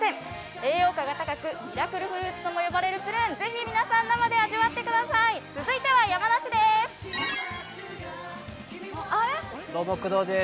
栄養価が高く、ミラクルフルーツとも呼ばれるプルーン、ぜひ皆さん、生で味わっどうも、工藤です。